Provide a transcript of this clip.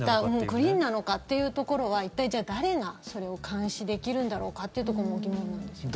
クリーンなのかというところは一体、誰がそれを監視できるんだろうかというところも疑問なんですよね。